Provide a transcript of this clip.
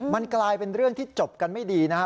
มันกลายเป็นเรื่องที่จบกันไม่ดีนะครับ